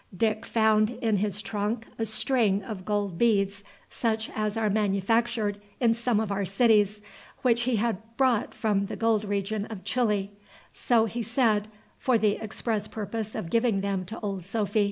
Dick found in his trunk a string of gold beads, such as are manufactured in some of our cities, which he had brought from the gold region of Chili, so he said, for the express purpose of giving them to old Sophy.